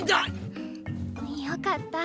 よかった。